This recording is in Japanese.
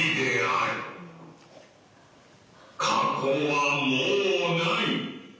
過去はもうない。